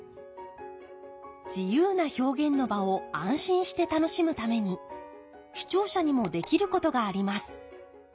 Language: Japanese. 自由な表現の場を安心して楽しむために視聴者にもできることがあります。